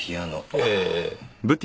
ええ。